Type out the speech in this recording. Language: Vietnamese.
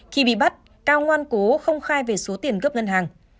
khi bị bắt cao ngoan cố không khai về số tiền gấp ngân hàng